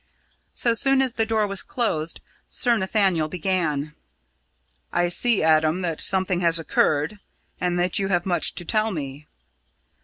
So soon as the door was closed, Sir Nathaniel began: "I see, Adam, that something has occurred, and that you have much to tell me."